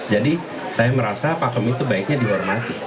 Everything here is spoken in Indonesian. jadi saya merasa pakam itu baiknya dihormati